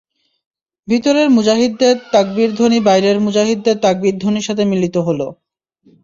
ভিতরের মুজাহিদদের তাকবীর ধ্বনি বাইরের মুজাহিদদের তাকবীর ধ্বনির সাথে মিলিত হল।